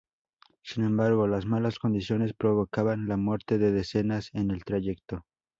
Sin embargo, las malas condiciones provocaban la muerte de decenas en el trayecto.